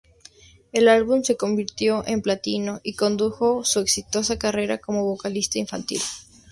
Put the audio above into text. El álbum se convirtió en platino y condujo su exitosa carrera como vocalista infantil.